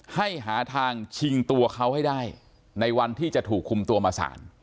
หาทางชิงตัวเขาให้ได้ในวันที่จะถูกคุมตัวมาศาล